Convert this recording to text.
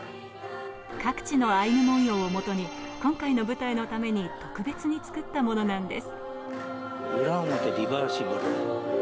各地のアイヌ文様をもとに今回の舞台のために特別に作ったものなんです。